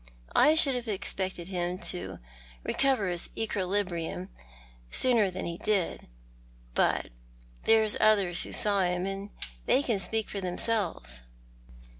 I should have expected him to recover his equerbrillium sooner than he did. But there's others who saw him, and they can speak for theirselvcs."